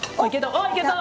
あっいけた！